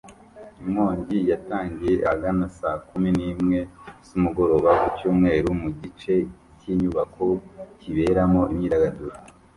Inkongi yatangiye ahagana saa kumi n’imwe z’umugoroba ku cyumweru mu gice k’inyubako kiberamo imyidagaduro